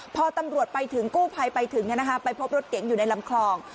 พอตำรวจไปถึงกู้ภัยไปถึงไปพบรถเก๋งอยู่ในลำคลอง